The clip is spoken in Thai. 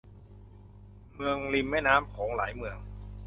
เมืองริมแม่น้ำโขงหลายเมือง